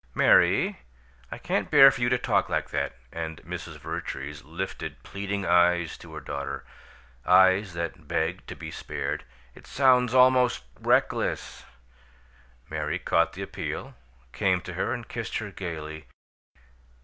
"Mary, I can't bear for you to talk like that." And Mrs. Vertrees lifted pleading eyes to her daughter eyes that begged to be spared. "It sounds almost reckless!" Mary caught the appeal, came to her, and kissed her gaily.